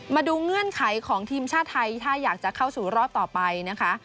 เงื่อนไขของทีมชาติไทยถ้าอยากจะเข้าสู่รอบต่อไปนะคะ